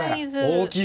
大きい。